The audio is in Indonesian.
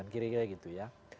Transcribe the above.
kira kira gitu ya